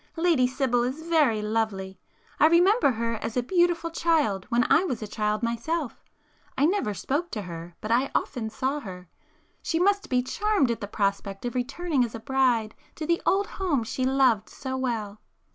Lady Sibyl is very lovely,—I remember her as a beautiful child when I was a child myself—I never spoke to her, but I often saw her. She must be charmed at the prospect of returning as a bride to the old home she loved so well."